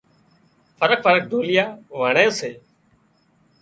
فرق فرق ڍوليئا وڻي سي